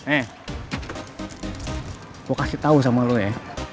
eh gue kasih tau sama lo ya